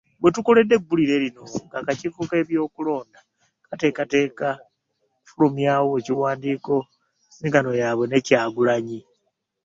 We tukoledde eggulire lino ng’akakiiko k’ebyokulonda kategeka okufulumyawo ekiwandiiko ku nsisinkano yaabwe ne Kyagulanyi.